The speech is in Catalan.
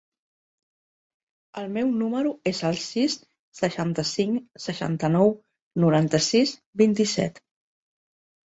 El meu número es el sis, seixanta-cinc, seixanta-nou, noranta-sis, vint-i-set.